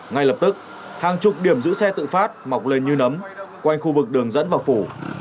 ngay lập tức hàng chục điểm giữ xe tự phát mọc lên như nấm quanh khu vực đường dẫn vào phủ